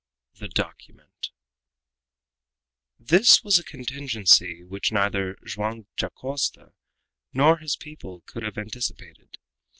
THE DOCUMENT This was a contingency which neither Joam Dacosta nor his people could have anticipated.